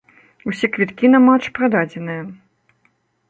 Усе квіткі на матч прададзеныя.